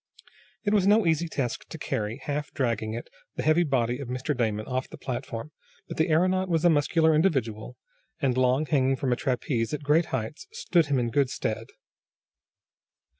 It was no easy task to carry, half dragging it, the heavy body of Mr. Damon off the platform, but the aeronaut was a muscular individual, and long hanging from a trapeze, at great heights, stood him in good stead.